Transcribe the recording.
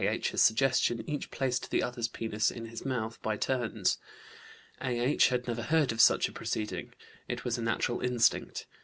H.'s suggestion, each placed the other's penis in his mouth by turns. A.H. had never heard of such a proceeding. It was a natural instinct.